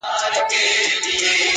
زړه راته زخم کړه _ زارۍ کومه _